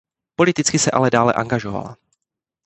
Politicky se ale dále angažovala.